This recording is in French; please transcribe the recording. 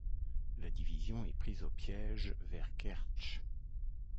La division est prise au piège vers Kertch.